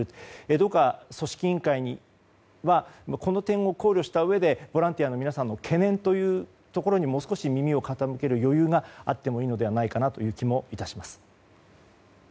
どうか組織委員会にはこの点を考慮したうえでボランティアの皆さんの懸念というところにもう少し耳を傾ける余裕があってもいいのではないかという気も致します。